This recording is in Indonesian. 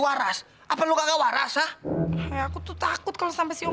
harapan kosongnya udah selesai yang listrik lagi